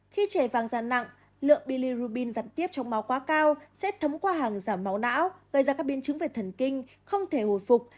khi trẻ vàng giàn nặng lượng billerbin dặn tiếp trong máu quá cao sẽ thấm qua hàng giảm máu não gây ra các biến chứng về thần kinh không thể hồi phục